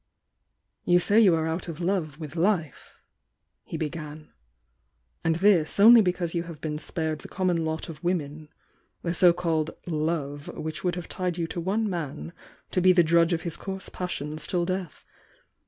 "Yo'^ say you are out of love with life," he began. "And this, only because you have been spared the common lot of women — the so called 'love' which would have tied you to one man to be the drudge of his coarse passions till death.